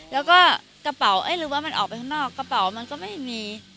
แล้วก็กระเป๋าหรือว่ามันออกไปข้างนอกกระเป๋ามันก็ไม่มี